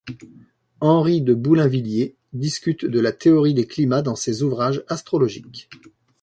Henri de Boulainvilliers discute de la théorie des climats dans ses ouvrages astrologiques.